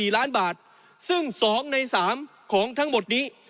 ๔ล้านบาทซึ่ง๒ใน๓ของทั้งหมดนี้